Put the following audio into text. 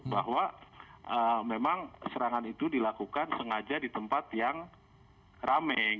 bahwa memang serangan itu dilakukan sengaja di tempat yang rame